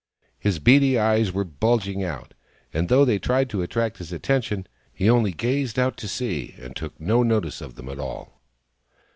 His beady eyes were bulging out, and though they tried to attract his attention, he only gazed out to sea and took no notice of them at all.